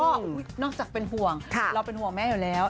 นอกจากเป็นห่วงเราเป็นห่วงแม่อยู่แล้ว